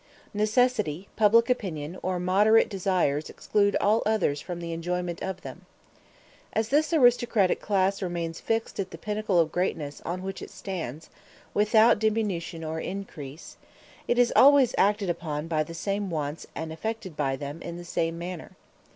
Necessity, public opinion, or moderate desires exclude all others from the enjoyment of them. As this aristocratic class remains fixed at the pinnacle of greatness on which it stands, without diminution or increase, it is always acted upon by the same wants and affected by them in the same manner.